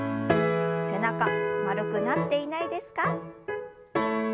背中丸くなっていないですか。